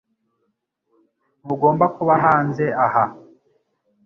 Ntugomba kuba hanze aha .